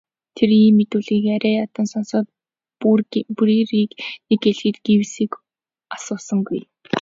Тэр миний мэдүүлгийг арай ядан сонсоод Бруерыг нэг юм хэлэхэд Гривсыг огт асуусангүй.